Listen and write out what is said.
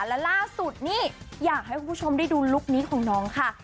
และล่าสุดนี่อยากให้คุณผู้ชมได้ดูลุคนี้ของน้องค่ะ